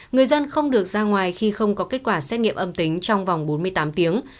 người dân không được ra ngoài khi không có kết quả xét nghiệm âm tính trong vòng bốn mươi tám tiếng